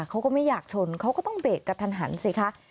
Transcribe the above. เขาก็ไม่อยากชนเขาก็ต้องเบรกกระทันหันสิคะ